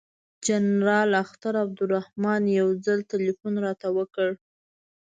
جنرال اختر عبدالرحمن یو ځل تلیفون راته وکړ.